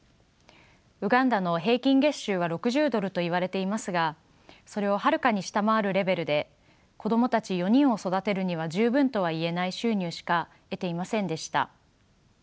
ウガンダの平均月収は６０ドルと言われていますがそれをはるかに下回るレベルで子供たち４人を育てるには十分とは言えない収入しか得ていませんでした。